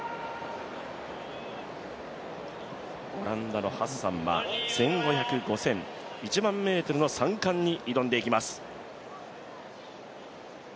オランダのハッサンは１５００、５０００、１００００ｍの３冠に挑んでいきます。